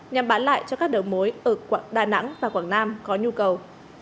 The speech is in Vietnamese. nhằm bán lại cho các đầu mối ở đà nẵng và quảng nam có nhu cầu